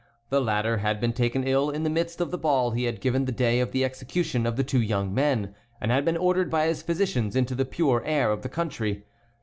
The latter had been taken ill in the midst of the ball he had given the day of the execution of the two young men, and had been ordered by his physicians into the pure air of the country.